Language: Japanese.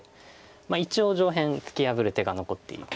一応上辺突き破る手が残っている。